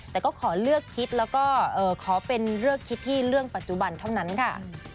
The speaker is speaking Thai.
แต่ก็ขอเลือกคิดแล้วก็ขอเป็นเลือกคิดที่เรื่องปัจจุบันเท่านั้นค่ะ